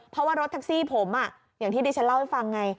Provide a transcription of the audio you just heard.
เพราะว่ารถแท็กซี่ผมอย่างที่ดิฉันเล่าให้ฟังไง